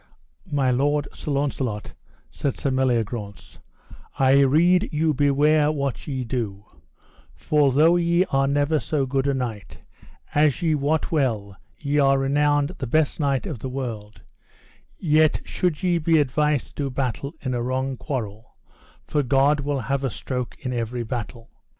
My lord, Sir Launcelot, said Sir Meliagrance, I rede you beware what ye do; for though ye are never so good a knight, as ye wot well ye are renowned the best knight of the world, yet should ye be advised to do battle in a wrong quarrel, for God will have a stroke in every battle.